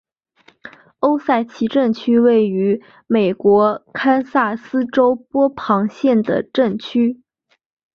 欧塞奇镇区为位在美国堪萨斯州波旁县的镇区。